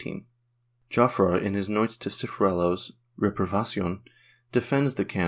Jofreu in his notes on Ciruelo's ''Reprovacion," defends the can.